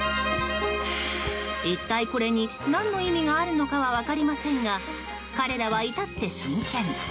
一体、これに何の意味があるのかは分かりませんが彼らはいたって真剣。